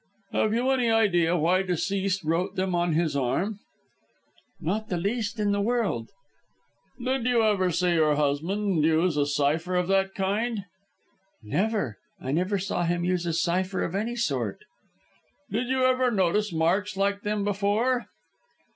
"Have you any idea why deceased wrote them on his arm?" "Not the least in the world." "Did you ever see your husband use a cypher of that kind?" "Never. I never saw him use a cypher of any sort." "Did you ever notice marks like them before?"